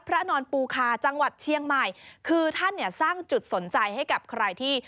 พระนอนปูคาจังหวัดเชียงใหม่คือท่านเนี่ยสร้างจุดสนใจให้กับใครที่